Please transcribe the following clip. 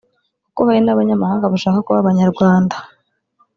kuko hari n’Abanyamahanga bashaka kuba Abanyarwanda”